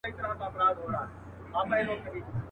پیل لېوه ته په خندا سو ویل وروره.